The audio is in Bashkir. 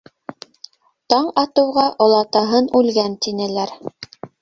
Таң атыуға олатаһын үлгән тинеләр.